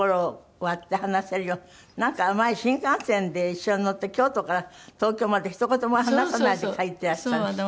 なんか前新幹線で一緒に乗って京都から東京までひと言も話さないで帰っていらしたんですって？